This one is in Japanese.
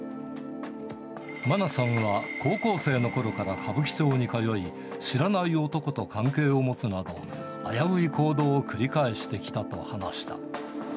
マナさんは高校生のころから歌舞伎町に通い、知らない男と関係を持つなど、危うい行動を繰り返してきたと話した。